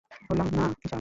বললাম না যান!